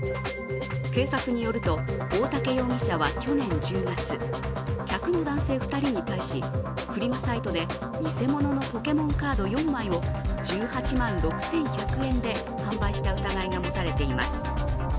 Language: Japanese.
警察によると、大竹容疑者は去年１０月、客の男性２人に対し、フリマサイトで偽物のポケモンカード４枚を１８万６１００円で販売した疑いが持たれています。